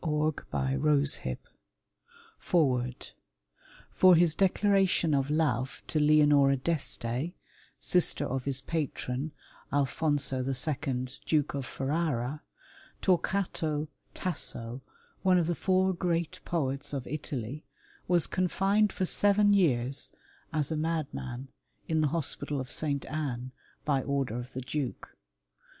50 TASSO TO LEONORA FOREWORD For his declaration of love to Leonora d'Este (sister of his patron, Alfonso II, Duke of Ferrara), Torquato Tasso, one of the four great po&s of Italy, was confined for seven years as a madman in the hospital of St Anne, by order of the duke.